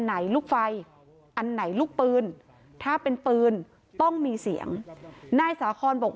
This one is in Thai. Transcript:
ไหนลูกไฟอันไหนลูกปืนถ้าเป็นปืนต้องมีเสียงนายสาคอนบอก